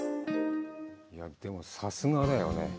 でもさすがだよね。